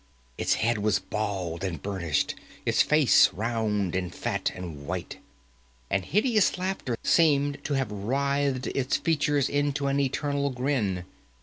Its head was bald and burnished; its face round, and fat, and white; and hideous laughter seemed to have writhed its features into an eternal grin.